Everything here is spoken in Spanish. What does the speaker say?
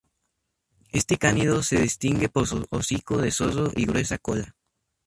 Este cánido se distingue por su hocico de zorro y gruesa cola.